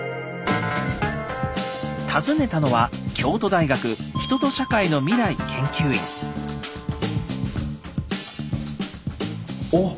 訪ねたのは京都大学おっ。